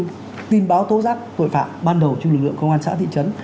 những tin báo tố giác tội phạm ban đầu cho lực lượng công an xã thị trấn